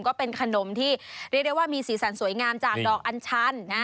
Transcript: ก็เป็นขนมที่เรียกได้ว่ามีสีสันสวยงามจากดอกอัญชัน